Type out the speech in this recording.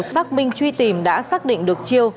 xác minh truy tìm đã xác định được chiêu